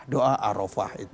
doa arafah itu